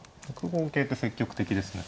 ６五桂って積極的ですね。